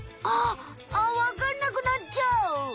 あっわかんなくなっちゃう！